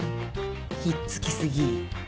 ひっつき過ぎ。